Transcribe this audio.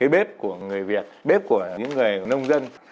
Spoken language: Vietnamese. bếp của người việt bếp của những người nông dân